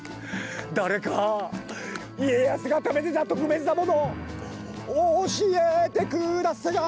誰か家康が食べてた特別なものおしえてください。